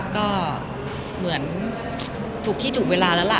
ก็เหมือนถูกที่ถูกเวลาแล้วล่ะ